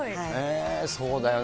そうだよね。